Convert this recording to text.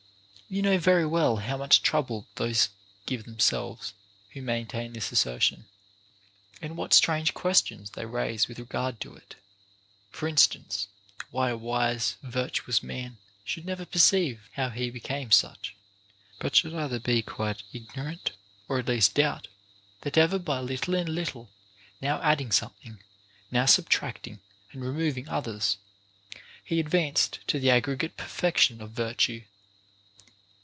You know very well how much trouble those give them selves who maintain this assertion, and what strange ques tions they raise with regard to it, — for instance, why a wise virtuous man should never perceive how he became such, but should either be quite ignorant, or at least doubt, that ever by little and little, now adding something, now sub tracting and removing others, he advanced to the aggre gate perfection of virtue.